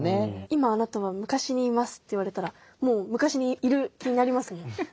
「今あなたは昔にいます」と言われたらもう昔にいる気になりますもん。